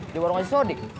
di warung asis odi